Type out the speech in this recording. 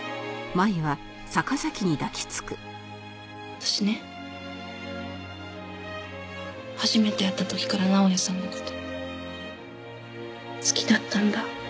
私ね初めて会った時から直哉さんの事好きだったんだ。